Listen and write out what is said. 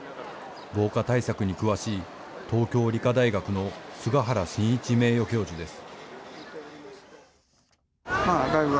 防火対策に詳しい東京理科大学の菅原進一名誉教授です。